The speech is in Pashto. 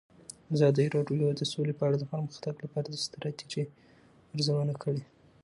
ازادي راډیو د سوله په اړه د پرمختګ لپاره د ستراتیژۍ ارزونه کړې.